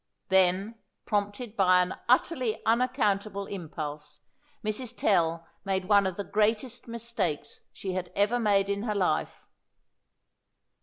Then, prompted by an utterly unaccountable impulse, Mrs. Tell made one of the greatest mistakes she had ever made in her life.